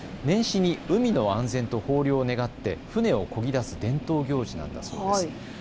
年始に海の安全と豊漁を願って船をこぎ出す伝統行事だそうです。